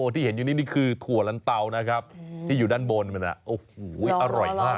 ที่เห็นอยู่นี่นี่คือถั่วลันเตานะครับที่อยู่ด้านบนมันโอ้โหอร่อยมาก